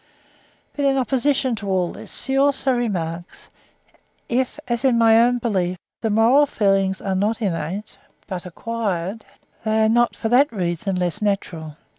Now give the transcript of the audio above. But in opposition to all this, he also remarks, "if, as in my own belief, the moral feelings are not innate, but acquired, they are not for that reason less natural."